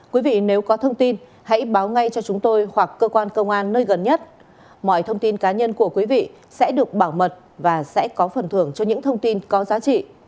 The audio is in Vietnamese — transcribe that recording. quý vị nếu có thông tin hãy báo ngay cho chúng tôi hoặc cơ quan công an nơi gần nhất mọi thông tin cá nhân của quý vị sẽ được bảo mật và sẽ có phần thưởng cho những thông tin có giá trị